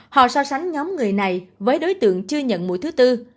họ so sánh nhóm người này với đối tượng chưa nhận mũi thứ tư